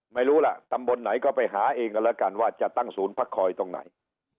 ไม่รู้ล่ะตำบลไหนก็ไปหาเองกันแล้วกันว่าจะตั้งศูนย์พักคอยตรงไหน